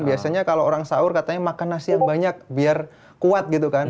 biasanya kalau orang sahur katanya makan nasi yang banyak biar kuat gitu kan